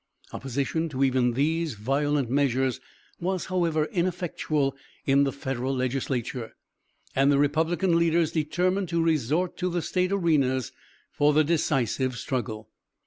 Opposition to even these violent measures was however ineffectual in the Federal legislature; and the Republican leaders determined to resort to the State arenas for the decisive struggle.